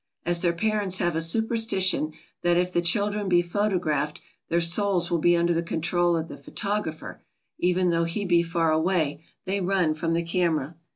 As their parents have a susperstition that if the children be photographed their souls will be under the control of the photographer, even though he be far away, they run from the camera.